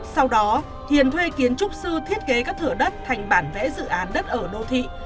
sau đó thiền thuê kiến trúc sư thiết kế các thửa đất thành bản vẽ dự án đất ở đô thị